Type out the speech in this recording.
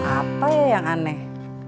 apa yang aneh